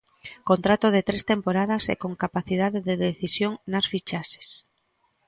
Contrato de tres temporadas e con capacidade de decisión nas fichaxes.